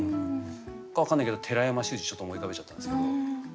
分からないけど寺山修司ちょっと思い浮かべちゃったんですけど。